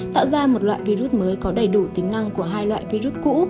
tạo ra một loại virus mới có đầy đủ tính năng của hai loại virus cũ